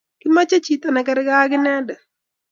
Kimeche chito nekerker ak inendet